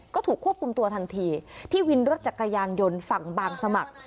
ก็ถูกควบคุมตัวทันทีที่วินรถจักรยานยนต์ฝั่งบางสมัคร